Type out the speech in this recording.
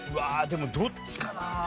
でもどっちかな？